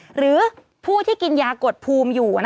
หรือผู้ที่กินยากดภูมิอยู่